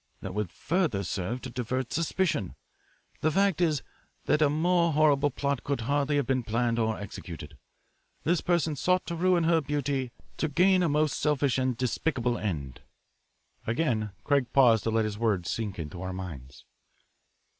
That would further serve to divert suspicion. The fact is that a more horrible plot could hardly have been planned or executed. This person sought to ruin her beauty to gain a most selfish and despicable end." Again Craig paused to let his words sink into our minds.